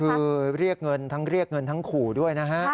คือเรียกเงินทั้งเรียกเงินทั้งขู่ด้วยนะฮะ